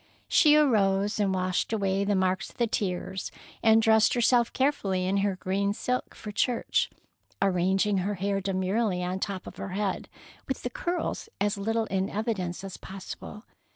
She arose and washed away the marks of the tears, and dressed herself carefully in her green silk for church, arranging her hair demurely on the top of her head, with the curls as little in evidence as possible.